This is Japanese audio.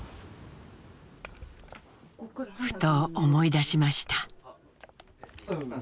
ふと思い出しました。